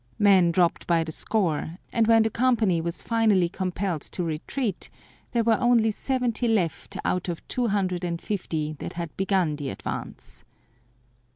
Men dropped by the score, and when the company was finally compelled to retreat there were only seventy left out of two hundred and fifty that had begun the advance.